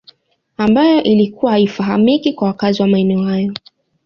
Ambayo ilikuwa haifahamiki kwa wakazi wa maeneo hayo